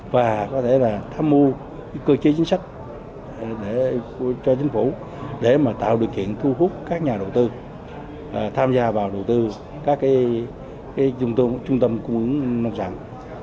và có thể là tham mưu cơ chế chính sách cho chính phủ để tạo điều kiện thu hút các nhà đầu tư tham gia vào đầu tư các trung tâm trung tâm cung ứng nông sản